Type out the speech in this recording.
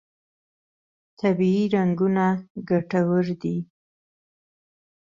طبیعي رنګونه ګټور دي.